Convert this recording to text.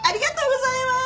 ありがとうございます！